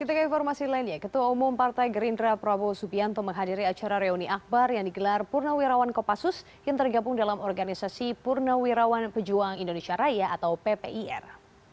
kita ke informasi lainnya ketua umum partai gerindra prabowo subianto menghadiri acara reuni akbar yang digelar purnawirawan kopassus yang tergabung dalam organisasi purnawirawan pejuang indonesia raya atau ppir